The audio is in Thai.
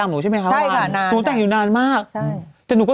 สวัสดีค่ะข้าวใส่ไข่สดใหม่เยอะสวัสดีค่ะ